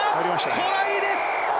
トライです！